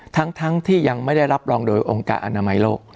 ทั้งที่ยังไม่ได้รับรองโดยองค์การอนามัยโลก